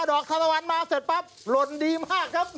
ดอกคารวันมาเสร็จปั๊บหล่นดีมากครับ